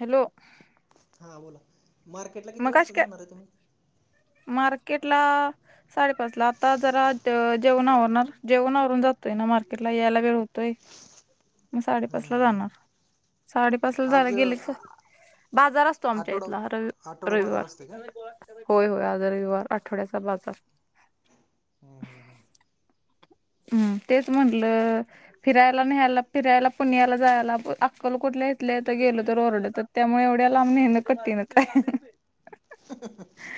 Hello. हा बोला मार्केटला किती मगाशी वाजता काय जाणार आहे तुम्ही. मार्केटला. साडेपाच ला आता जरा जेवण आवरणार. जेवण आवरून जातोय ना मार्केटला यायला वेळ होतोय. मग साडेपाच ला जाणार. साडे बसल आज झालं गेले आ- बाजार असतो. आमच्या आठवडा इथला र आठवडा बाजार रविवार. असते काय होय होय आज रविवार आठवड्याचा बाजार. हां हां हां. हम्म तेच म्हटलं. फिरायला न्यायला फिरायला पुण्याला जायाला. अक्कलकोट ला गेलो तर इथल्या इथं गेलो तर ओरडत्यात. त्यामुळे एवढ्या लांब नेणं कठीणच आहे. [unintelligible]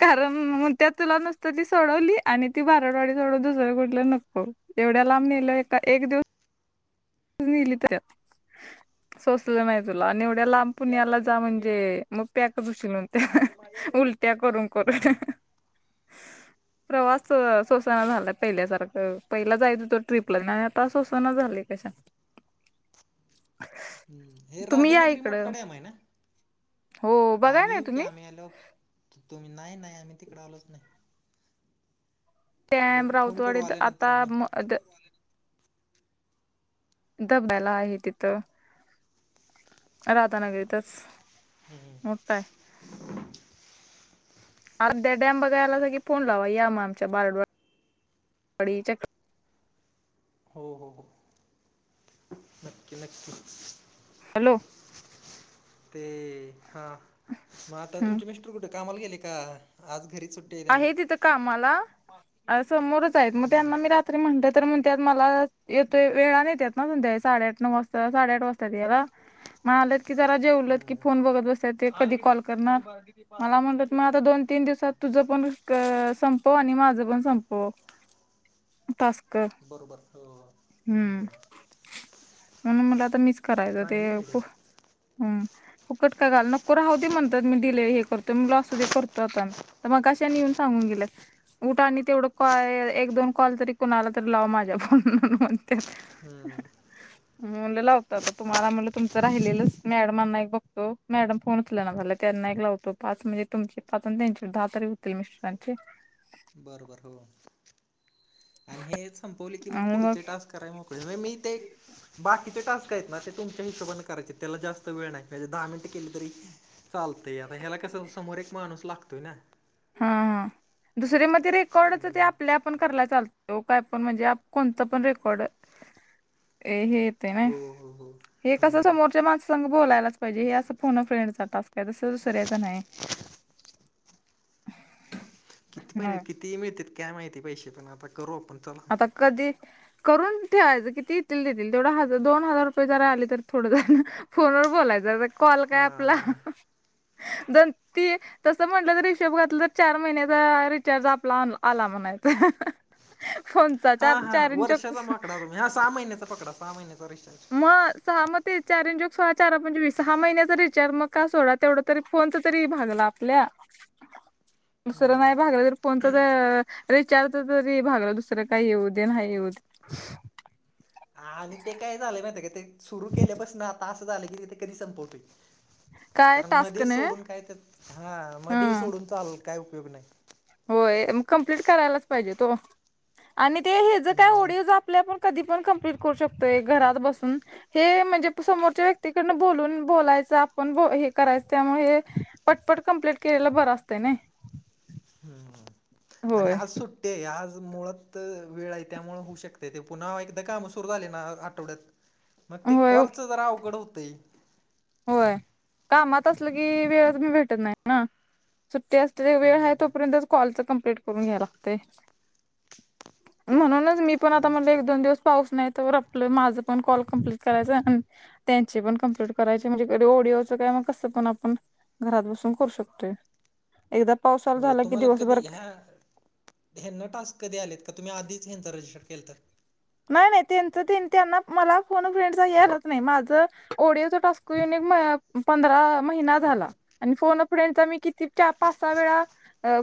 कारण म्हणत्यात तुला नसतं ती सोडवली. आणि ती भारडवाडी सोडवून दुसऱ कुठल नको. हो एवढ्या लांब नेल. एका एक दिव [unintelligible] त्यात. [inaudible] सोसलं नाही. तुला आणि एवढ्या लांब पुण्याला जा म्हणजे मग पॅक होशील नंतर. उलट्या करून करून. [inaudible] प्रवास सोसना झालंय पहिल्यासारखं पहिला जाईत होतो. ट्रीपला आणि आता सोसना झालय कशा. हम. हे तुम्ही या राधानगरी इकडं मोठं डॅम आहे ना. हो बघाय आम्ही नाही येऊ की तुम्ही आम्ही आलो. तुम्ही नाही नाही आम्ही तिकडे आलोच नाही. टॅम बघू फोन करू राऊतवाडीत आल्यानंतर आता आम्ही म दब्याला आहे तिथं. राधानगरीतच. हम्म. हम्म. मोठाय. आ त्या डॅम बघायला आलासा की, फोन लावा या मग आमच्या [unintelligible] हो हो हो नक्की नक्की. हॅलो. ते हां मग आता हम्म तुमचे मिस्टर कुठे कामाला गेले का. आज घरीच सुट्टी आहे त्यांना. कामाला अ.. समोरच आहेत. मग त्यांना मी रात्री. तरी म्हणल तर म्हणत्यात मला येतोय वेळान येत्यात. ना संध्याकाळी साडेआठ नऊ वाजता साडेआठ वाजता याला. मग आलेत की जरा जेवलत की हम्म, फोन बघत बसत्यात ते कधी कॉल करणार. मला म्हणतात मग आता दोन तीन दिवसात. तुझ पण क संपव आणि माझं पण संपव. तास्कर बरोबर हो हम्म. म्हणून म्हणलं आता मीच करायचं ते चांगली फु हम फुकट का घाल नको राहू दे म्हणत्यात. मी दिले हे करतोय मग म्हटलं असू दे करतो आता. तर मगाशी आणि येऊन सांगून गेल्यात. उठ आणि तेवढं कॉ एक दोन कॉल तरी कोणाला तरी लाव माझ्या फोन म तेच. [unintelligible] म्ह म्हणल‌ लावतो आता तुम्हाला म्हणल तुमचं राहिलेलंच मॅडमांना एक बघतो. मॅडम फोनच उचलना झाल्यात त्यांना एक लाव तो पाच म्हणजे तुमचे पाच त्यांचे दहा होतील मिस्टराचे. बरोबर हो. आणि हे संपवले की मग पुढचे टास्क. कराय मोकळे मी ते, बाकीचे टास्क आहेत ना ते तुमच्या हिशोबाने करायचे. त्याला जास्त वेळ नाही म्हणजे दहा मिनिट केले तरी. चालतंय आता हेला कसं समोर एक माणूस लागतोय ना. हा हा. दुसरी मध्ये रेकॉर्डच ते हम्म आपल्या आप. पण करायला चालतंय ओ. काय पण म्हणजे कोणतं पण रेकॉर्ड हे. ते नाही हो हो हो हे कसं हम्म समोरचे माणसं. संग बोलायलाच पाहिजे‌. हे असं फोन फ्रेंडचा टास्क काय तसं दुसऱ्याच नाही. [inaudible] होय. किती मिळते काय माहिती पैसे पण आता करू आपण. चला आता कधी, करून ठेव्हायच किती येतील ते येतील. तेवढं दोन हजार रुपये जर आले तर थोडंच झालं. फोनवर बोलायच आता कॉल काय आपला हा दन ती. तसं म्हटलं तर हिशोब घातलं तर चार महिन्याचा रिचार्ज आपला आला म्हणायचं. फोन. हा हा वर्षाचा माकडा हा सहा महिन्याचा पकडा सहा महिन्याचा रिचार्ज. मग सहा मते, चारचोक सोळा चारा पंचे वीस सहा महिन्याचा रिचाज मग का सोडाचा? तेवढ तरी फोनच तरी भागल आपल्या. हं दुसरं नाही भागल तर फोनच तर रिचार्ज तरी भागला दुसरं काही येऊ दे नाही येऊ दे. हा आणि ते काय झालंय माहित का ते? सुरू केल्यापासन आता असं झालं की ते कधी संपवतोय. काय कारण टास्क मध्ये नाही सोडून काय त्या हा मध्ये हम्म सोडून चाल काय उपयोग नाही. होय कंप्लीट करायलाच पाहिजेत ओ आणि ते हे ज काय हम्म ओडीओ जात ते आपल आपण कधी पण कंप्लीट करू शकतोय घरात बसून. हे म्हणजे समोरच्या व्यक्तीकडन बोलून बोलायचं आपण हे करायच त्यामुळ हे. पटपट कंप्लीट केलेला बर असतं नाही. हम्म आणि होय आज सुट्ट ते आज मुळात वेळ आहे, त्यामुळे होऊ शकते ते. पुन्हा एकदा काम सुरू झाले ना आठवड्यात. मग ते होय कॉलच जरा अवघड होतय. होय कामात असलं की वेळ भेटत नाही ना सुट्टी अस वेळ आहे हम्म तोपर्यंत कॉलच कंप्टलिट करून घ्या लागत म्हणूनच. मी पण आता म्हणला एक दोन दिवस. पाऊस नाही तर आपलं माझं पण कॉल कम्प्लीट करायचं अण त्यांची पण कम्प्लीट. करायचे म्हणजे कधी ओडीओचं काय म कसं पण आपण घरात बसून करू शकतोय. एकदा पाऊस चालू हो झाला की तुम्हाला कधी दिवसभर. ह्या ह्यांना टास्क कधी आलेत? का तुम्ही आधीच ह्यांच रजिस्टर केलता तर? नाही नाही त्यांच त्यांना मला फोन फ्रेंडचा यायलाच नाही माझं ओडिओचं टास्क युनिट माय पंधरा महिना झाला आणि फोन फ्रेंडचा मी किती चा पाच सहा वेळा.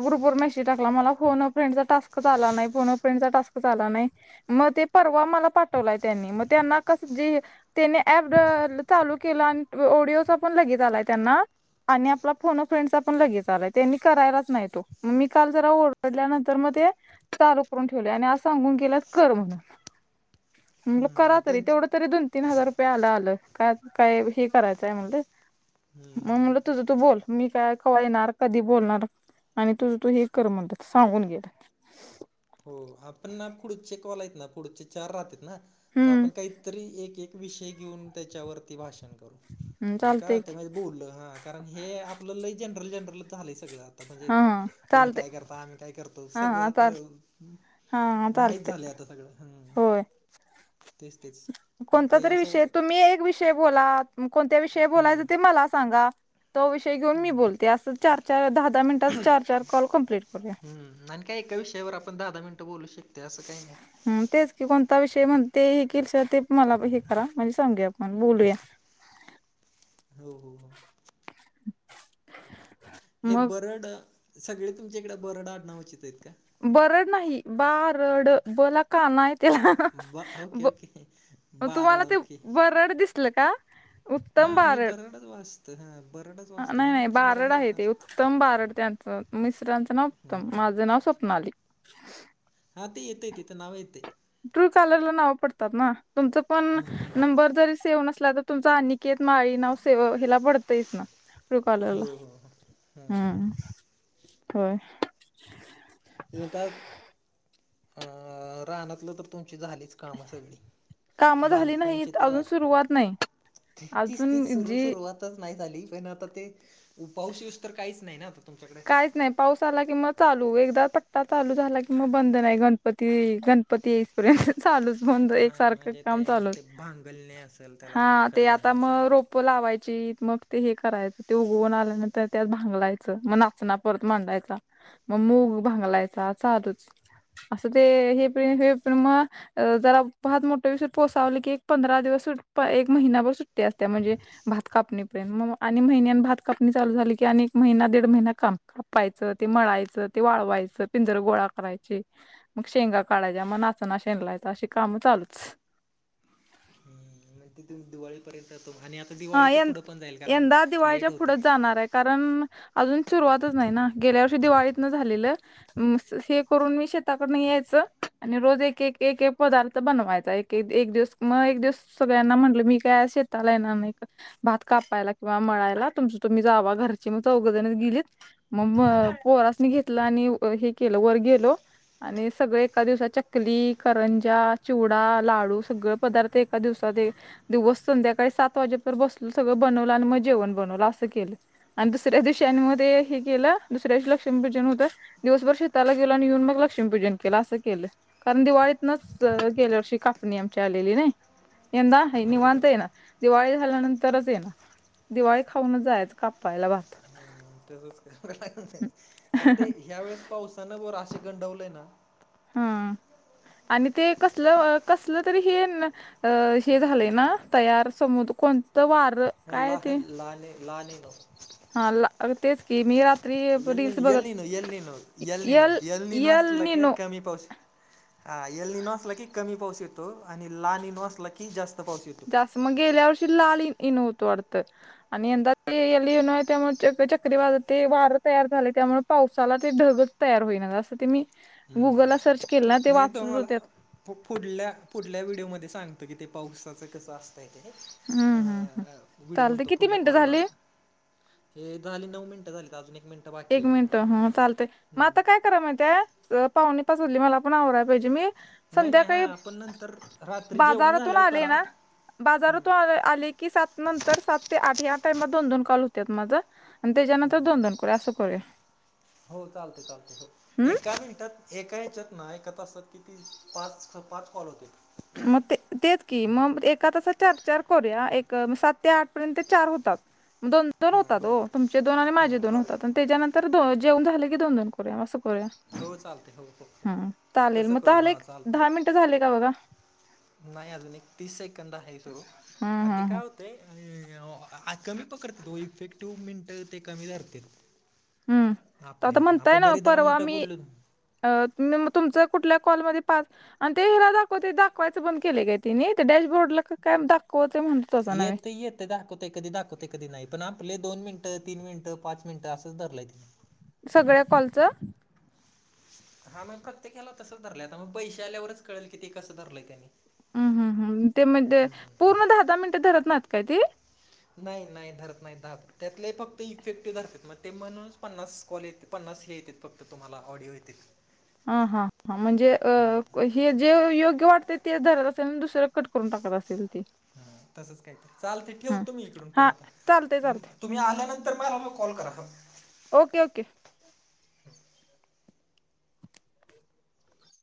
ग्रुप वर मेसेज टाकला मला फोन अ फ्रेंडचा टास्क आला नाही फोन अ फ्रेंडचा टास्क आला नाही. मग ते परवा मला पाठवलाय त्यांनी, मग त्यांना कस जे. त्याने ऍप चालू केला आणि ओडिओचा पण लगेच आलाय त्यांना. आणि आपला फोन अ फ्रेंडचा पण लगेच आलाय त्यांनी करायलाच नाही तो मग मी काल जरा ओरडल्यानंतर मग ते. चालू करून ठेवले आणि आज सांगून गेलात कर म्हणून. म्हणलं करा हम्म तरी, त्यांच तेवढं तरी दोन तीन हजार रुपये आलं आलं, का काय हे करायचंय म्हणलं? मग हम्म म्हलं तुझं तू बोल मी काय कवा येणार कधी बोलणार? आणि तुझ तू हे कर म्हणल, सांगून घे. हो आपण ना पुढचे कॉल आहेत ना पुढचे चार राहतेत ना तर आपण हम्म काहीतरी एक एक विषय घेऊन त्याच्यावरती भाषण करू म्हणजे काय चालतंय होत की माय. बोललं हा कारण हे आपलं लय जनरल जनरल झालंय सगळ. म्हणजे हा हा तुम्ही चालतंय काय करता आम्ही काय करतो हा सगळं हा आता. चाल हा हा माहित चालतंय झालंय आता सगळं, हम्म. होय तेच तेच मग कोणता ते तरी विषय, असं तुम्ही एक विषय बोला कोणत्या विषय हम्म बोलायचं ते मला सांगा. तो विषय घेऊन मी बोलते, अस चार चार दहा दहा मिनटच चार चार कॉल कमप्लीट करूया. हम् आणि काय एका विषयावर आपण दहा दहा मिनिटं बोलू शकत असं काही नाही. हम तेच की कोणता विषय म्हणते हे किचार मला हे करा म्हणजे सांगू आपण बोलूया. हो हो हो. हे मग बरड, सगळे तुमच्याकडे बरड आडनावाचे आहेत का? बरड नाही बारड ब ला काना हे. बा ओके त्याला ओके तुम्हाला बारड ते ओके बरड दिसल का? उत्तम भारत वाचत बरडच वाचते मी म्हणलं बारड आहे बरडाच. ते उत्तम बारड त्यांचं मिस्रांचं नाव उत्तम माझं नाव स्वप्नाली. हा ती येतय तिथं नाव येतंय. ट्रू कलरला नाव पडतात ना तुमचा पण हम्म हम्म नंबर जरी सेव्ह नसला तर. तुमचा अनिकेत माळी नाव सेव हिला पडतेयच ना. ट्रू कॉलर ला हो हो हो हा हम्म होय. ता अ [unintelligible] रानातलं तर तुमची झालीच कामाच्या वेळी [unintelligible] कामं झाली नाहीत अजून बांधकामचित्र्रात सुरुवात नाही तीच तीच अजून सुरू जी सुरुवातच नाही झाली पण आता ते उ पाऊस येऊस तर काहीच नाही ना. तुमच्याकडे काहीच नाही पाऊस आला किं चालू एकदा तट्टा चालू झाला की. मग बंद नाही गणपती गणपती एयीसपरेंत चालूच. होंद हा एक सारखं म्हणजे काम ते मग चालू ते भांगलणे असेल त्याला हा ते खत आता घालणं मग असेल रोप लावायची मग ते हे करायचं ते उगवून आल्यानंतर त्यात भांगलायचं मग चना परत मांडायचा मग मूग भांगलायचा साधूच अस ते हे प हे प्र मग अ जरा फत मोठं विषय पोसावलं की एक पंधरा दिवस एक महिनाभर सुट्टी असते म्हणजे भात कापणीपर्यंत मग आणि महिन्या भात कापणी चालू झाली की आणि महिना दीड महिना. काम कापायचं ते मळायचं ते वाळवायचं पिंजर गोळा करायचे. मग शेंगा काढायच्या मग नाचं शेणलायचा अशी कामं चालूच. दिव दिवाळीपर्यंत तो [unintelligible] हा य पुढं पण जाईल कारण यंदा लेट दिवाळीच्या होते पुढच जाणार आहे कारण. अजून सुरुवातच नाही ना गेल्या वर्षी दिवाळीत न झालेलं. [unintelligible] हे करून मी शेताकडून यायचं आणि रोज एक एक एक एक पदार्थ बनवायचा एक- ते एक दिवस मग एक दिवस सगळ्यांना म्हटलं मी काय शेताला येणार नाही. क- भात कापायला किंवा मळायला तुमच तुम्ही जावा घरची मग चौघजण गेलीत. मग म पोहरासनी घेतलं आणि हे केलंऊ वर गेलो. आणि सगळे एका दिवसात चकली करंजा चिवडा लाडू सगळे पदार्थ एका दिवसात इक दिवस संध्याकाळी सात वाजे परेत बसलो सगळं बनवलं आणि मग जेवण बनवलं असं केलं. आणि दुसऱ्या दिवशी आणि मग तेहि केलं दुसऱ्या दिवशी लक्ष्मी पूजन होतं दिवसभर शेताला गेल आणि येऊन मग लक्ष्मीपूजन केलं असं केलं. कारण दिवाळीतनच गेल्या वर्षी कापणी आमची आलेली नाही. यंदा हय बरोबर निव्हांत ये ना दिवाळी खाल्यानंतरच येनदिवाळी खाऊनच जायच कापायला भात. हम्म, कारण ते ह्या वेळेस पावसानं वशे गंडवलेय ना. हम् आणि ते कसलं अ कसल तरी हेण अ हे झाले ना तयार समर कोणतं वार. हे काय ते लाहन लहाने लहाने नव. हा तेच की मी रा- [unintelligible] हा येल यल नि नो यल असला निनो की कमी पाऊस येतो आणि लाणी नाँ असला की जास्त पाऊस येतो. जास्त मग गेल्या वर्षी लाल इन होतो वाटतं. आणि यंदा ते या लिहिण [unintelligible] त्यामुळे चक्रीवाज ते वार तयार झाले त्यामुळे पावसाला ते ढगत तयार होईना असं ते मी गुगलला सर्च केलं ना ते वाचत होते आत हो पुढल्या पुढल्या व्हिडिओमध्ये सांगतो की ते पावसाचं कसं असतं. हम्म हम्म हम्म अ व्हडिओ चालते म्हणतो किती पुढल्या मिनिटं कॉलला. झाली हे झाली नऊ मिनटं झाली का अजून एक मिनटं एक मिनट ह चालतेय मग आता काय. करा माहितेय पाहुणे पाच वाजली मला पण आवराय पाहिजे मी. नाही नाही हा संध्याकाळी आपण नंतर रात्री जेवण बाजारातून झाल्यावर आले करा ना हम्म बाजारातून आले आले की सात नंतर सात ते आठ या टाइमात दोन दोन कॉल होतात माझ. आणि त्याच्यान तर दोन दोन करू या असं करू या. हो चालते चालते हो एका मिनिटात एका ह्यच्यात ना एका तासात कीती पाच स पाच कॉल होत्यात. मग ते तेच की मग एका तसा चार चार करूया एक सात ते आठ पर्यंत चार होतात. दोन दोन हां होतात हो बरोबर तुमचे दोन आणि हां माझे दोन होतात आणि बरोबर त्याच्यानंतर जेवन झाले की दोन दोन. करूया असं करूया हो चालते हो हो हो ह चालेल तसं मग करू चाले हां दहा चालतंय मिनटं झाले का बघा. नाही अजून एक तीस सेकंद आहे सुरू हम्म आण ते हम्म काय हम्म हो ते कमी पकडते तो इफेक्टिव्ह मिंट ते कमी धरतीत. हम्म तर आपले आता म्हणताय आपण ना दरी दहा परवा मिनिटं मी बोललो अ तमम तुमच कुठल्या कॉलमध्ये पाच आणि ते ह दाखवते दाखवायचं बंद केले काय ति ते डॅशबोर्डला काय दाखव. कोते म्हण [unintelligible] येेत य. ते दाखवते कधी दाखवते कधी नाही पण आपले दोन मिनटं तीन मिनिटं पाच मिनिटं असंच धरयती. सगळ्या कॉलचं हा मग प्रत्येक याला तसंच धरलंय आता मग पैसे आल्यावरच कळेल कि ते कसं धरलंय त्यांनी. हम्म हम् हम् ते म्हणजे पूर्ण दहा दहा मिनिटे धरत नाहीत काय ती? नाही नाही धरत नाही धात त्यातले फक्त इफेक्टिव्ह धरतात मग ते म्हणूनच पन्नास कॉल येत्या. पन्नास हे येत्यात फक्त तुम्हाला ऑडिओ येत्यात. अ हा म्हणजे अ हे जे योग्य वाटते ते धरत असेल दुसर कट करून टाकत असेल ते हा तसंच काय तर चाल ते ठेवतो मी इकडून पोन हा आता. चालते चालते तुम्ही आल्यानंतर मला म कॉल करा ओके ओके.